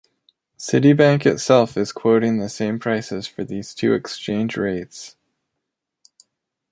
Citibank itself is quoting the same prices for these two exchange rates.